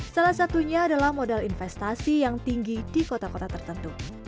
salah satunya adalah modal investasi yang tinggi di kota kota tertentu